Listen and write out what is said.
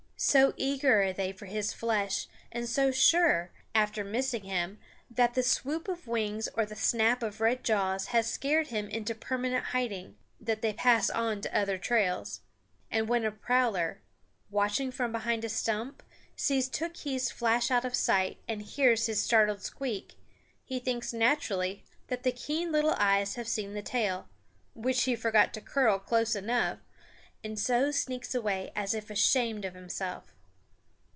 So eager are they for his flesh, and so sure, after missing him, that the swoop of wings or the snap of red jaws has scared him into permanent hiding, that they pass on to other trails. And when a prowler, watching from behind a stump, sees Tookhees flash out of sight and hears his startled squeak, he thinks naturally that the keen little eyes have seen the tail, which he forgot to curl close enough, and so sneaks away as if ashamed of himself.